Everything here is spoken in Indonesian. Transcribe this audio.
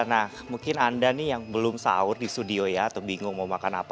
nah mungkin anda nih yang belum sahur di studio ya atau bingung mau makan apa